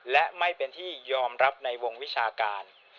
และไม่เป็นที่ยอมรับในวงวิชาการ